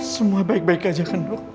semua baik baik aja kan dok